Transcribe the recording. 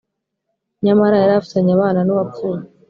Nyamara yari afitanye abana n ‘uwapfuye.